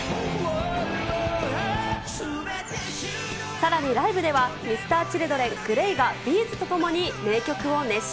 さらにライブでは、Ｍｒ．Ｃｈｉｌｄｒｅｎ、ＧＬＡＹがＢ’ｚと共に名曲を熱唱。